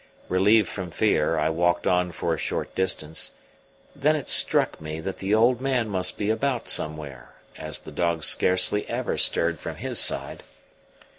Relieved from fear, I walked on for a short distance; then it struck me that the old man must be about somewhere, as the dogs scarcely ever stirred from his side.